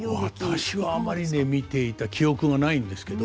私はあまりね見ていた記憶がないんですけど。